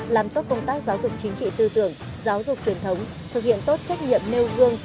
làm tốt công tác giáo dục chính trị tư tưởng giáo dục truyền thống thực hiện tốt trách nhiệm nêu gương